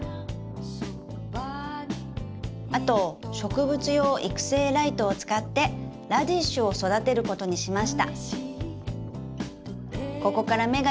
あと植物用育成ライトを使ってラディッシュを育てることにしました！」。